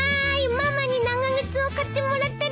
ママに長靴を買ってもらったです！